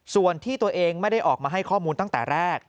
ส่วนที่ตัวเองไม่ได้ออกมาให้ข้อมูลตั้งแต่แรก